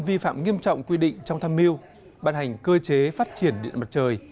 vi phạm nghiêm trọng quy định trong thăm mưu ban hành cơ chế phát triển điện mặt trời